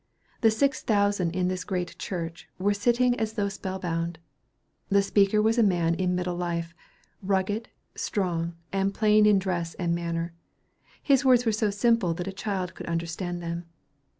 The six thousand in this great church were sitting as though spellbound. The speaker was a man in middle life, rugged, strong, and plain in dress and manner. His words were so simple that a child could understand them.